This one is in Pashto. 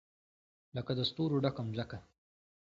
لکه د ستورو ډکه مځکه